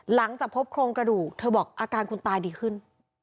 หลังจากพบโครงกระดูกเธอบอกอาการคุณตาดีขึ้น